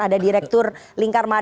ada direktur lingkar masukkan